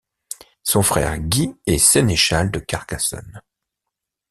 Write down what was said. Son frère Guy est sénéchal de Carcassonne.